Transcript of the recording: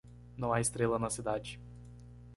Não há estrela na cidade